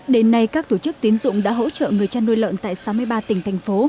đến nay các tổ chức tín dụng đã hỗ trợ người chăn nuôi lợn tại sáu mươi ba tỉnh thành phố